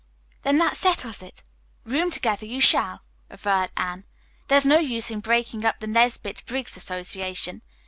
"Then, that settles it. Room together you shall," averred Anne. "There is no use in breaking up the Nesbit Briggs Association.